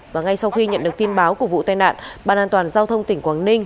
và ngay sau khi nhận được tin báo của vụ tai nạn ban an toàn giao thông tỉnh quảng ninh